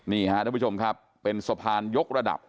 นี่ฮะท่านผู้ชมครับเป็นสะพานยกระดับ